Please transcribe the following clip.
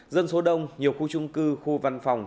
dân số đông nhiều khu trung cư khu văn phòng